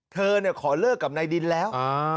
เธอขอเลิกกับนายดินแล้ว